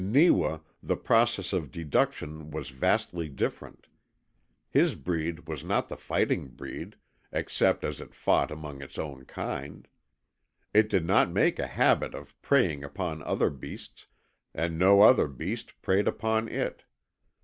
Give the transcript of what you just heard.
In Neewa the process of deduction was vastly different. His breed was not the fighting breed, except as it fought among its own kind. It did not make a habit of preying upon other beasts, and no other beast preyed upon it.